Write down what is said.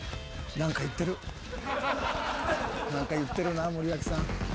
何か言ってるな森脇さん。